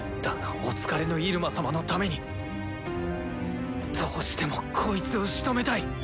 だがお疲れの入間様のためにどうしてもこいつをしとめたい！